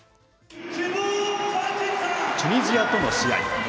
チュニジアとの試合。